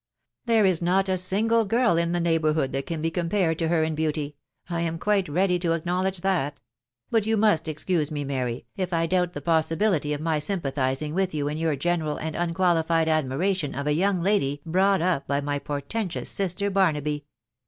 ... There is not a single girl in the neigh bourhood that can be compared to her in beauty— I am quite ready to acknowledge that ;.... but you must excuse me, Mary, if I doubt the possibility of my sympathising with you in your general and unqualified admiration of a young lady brought up by my portentous sister Barnaby."